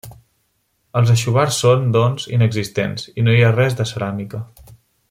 Els aixovars són, doncs, inexistents i no hi ha res de ceràmica.